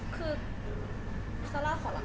คือซาร่าขอรับครับ